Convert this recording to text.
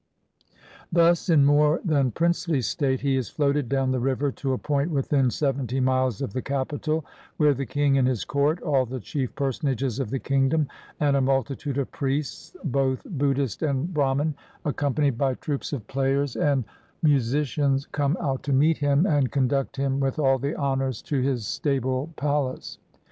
Thus, in more than princely state, he is floated down the river to a point within seventy miles of the capital, where the king and his court, all the chief personages of the kingdom, and a multitude of priests, both Buddhist and Brahmin, accompanied by troops of players and 264 THE RECEPTION OF A WHITE ELEPHANT musicians, come out to meet him, and conduct him with all the honors to his stable palace.